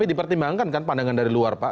ini dipertimbangkan kan pandangan dari luar pak